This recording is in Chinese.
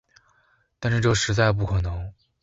但是这实在不可能